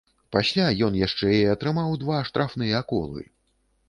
Пасля ён яшчэ і атрымаў два штрафныя колы.